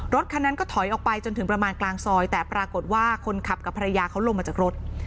รถคันนั้นก็ถอยออกไปจนถึงประมาณกลางซอยแต่ปรากฏว่าคนขับกับภรรยาเขาลงมาจากรถ